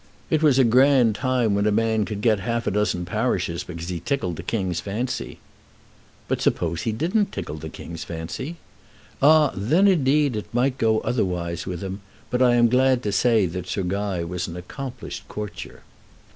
It was a grand time when a man could get half a dozen parishes because he tickled the king's fancy." "But suppose he didn't tickle the king's fancy?" "Ah, then indeed, it might go otherwise with him. But I am glad to say that Sir Guy was an accomplished courtier."